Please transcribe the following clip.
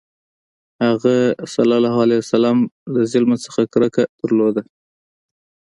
هغه ﷺ له ظلم نه کرکه درلوده.